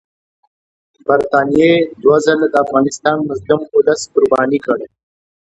برټانیې دوه ځله د افغانستان مظلوم اولس قرباني کړ.